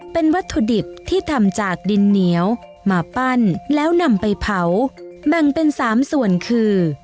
เป็นวัตถุดิบที่ทำจากดินเหนียวมาปั้นแล้วนำไปเผาแบ่งเป็น๓ส่วนคือ